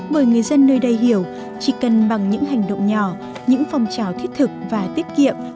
bởi người dân nơi đây hiểu chỉ cần bằng những hành động nhỏ những phong trào thiết thực và tiết kiệm